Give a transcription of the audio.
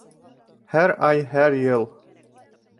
Һәр ай, һәр йыл